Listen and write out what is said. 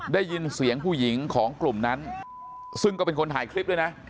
ได้ยินเสียงผู้หญิงของกลุ่มนั้นซึ่งก็เป็นคนถ่ายคลิปด้วยนะ